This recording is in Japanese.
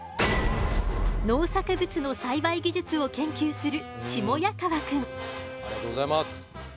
農作物の栽培技術を研究するありがとうございます。